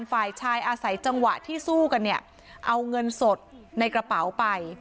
ฝ่ายชายอาศัยจังหวะที่สู้กันเนี่ยเอาเงินสดในกระเป๋าไป